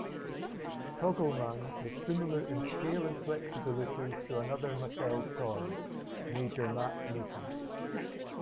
Tog'lman was similar in scale and flexibility to another Mattel toy, Major Matt Mason.